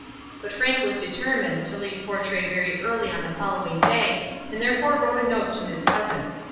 But Frank was determined to leave Portray very early on the following day, and therefore wrote a note to his cousin.